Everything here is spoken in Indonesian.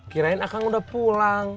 kirain akang udah pulang